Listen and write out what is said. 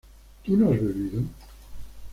¿tú no has bebido?